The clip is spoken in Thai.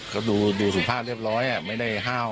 ก็ดูสิทธิภาพเรียบร้อยอ่ะไม่ให้ฮ้าว